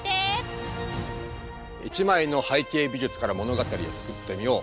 １枚の背景美術から物語を作ってみよう！